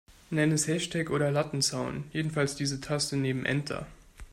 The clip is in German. Nenn es Hashtag oder Lattenzaun, jedenfalls diese Taste neben Enter.